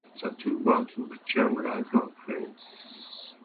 The two were to become lifelong friends.